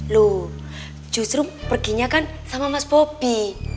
loh justru perginya kan sama mas bobi